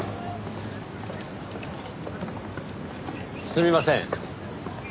すみません。